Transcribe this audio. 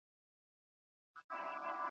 که ماشوم وځورول سي نو منزوي کیږي.